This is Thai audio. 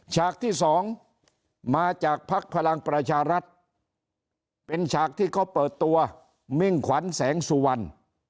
ฉากที่สองมาจากภักดิ์พลังประชารัฐเป็นฉากที่เขาเปิดตัวมิ่งขวัญแสงสุวรรณ